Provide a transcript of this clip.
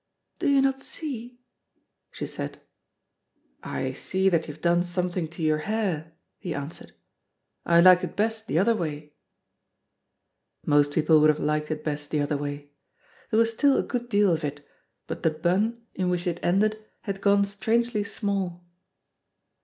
"Do you not see?" she said. "I see that you have done something to your hair," he answered, "I liked it best the other way." Most people would have liked it best the other way. There was still a good deal of it, but the "bun" in which it ended had gone strangely small.